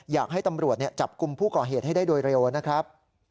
อยากให้ตำรวจจับกลุ่มผู้ก่อเหตุให้ได้โดยเร็วนะครับ